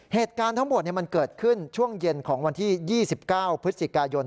เหตุการณ์ทั้งหมดมันเกิดขึ้นช่วงเย็นของวันที่๒๙พฤศจิกายน